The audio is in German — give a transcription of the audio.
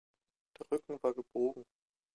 Der Rücken war gebogen.